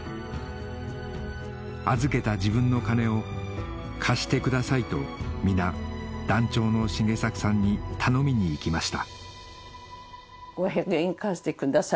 預けた自分の金を貸してくださいと皆団長の繁作さんに頼みに行きました